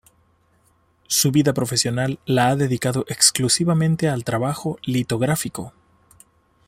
Su vida profesional la ha dedicado exclusivamente al trabajo litográfico.